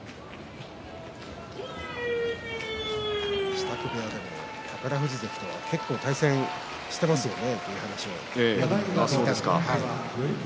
支度部屋でも宝富士関とは結構、対戦していますよね